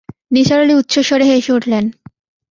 নিসার আলি উচ্চস্বরে হেসে উঠলেন।